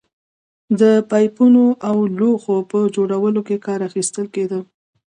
د پایپونو او لوښو په جوړولو کې کار اخیستل کېده